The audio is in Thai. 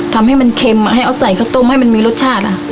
เดี๋ยวเพ็จมันเข็มให้ออกใส่เข้าต้มให้มีรสชาติ